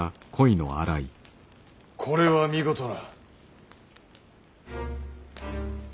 これは見事な。